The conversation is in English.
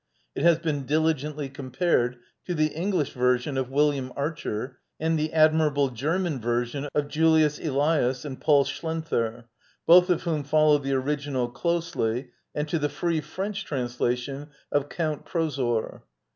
It has been diligently compared to the English version of William Archer and the admirable German version of Julius Elias and Paul Schlenther, both of which follow the original closely, and to the free French translation of Q)unt Prozor.